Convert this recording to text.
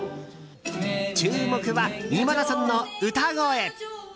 注目は、今田さんの歌声！